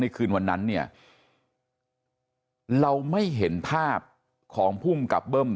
คืนวันนั้นเนี่ยเราไม่เห็นภาพของภูมิกับเบิ้ม